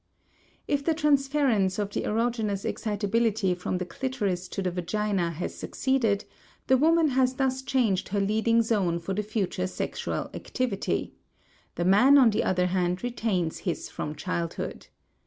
If the transference of the erogenous excitability from the clitoris to the vagina has succeeded, the woman has thus changed her leading zone for the future sexual activity; the man on the other hand retains his from childhood.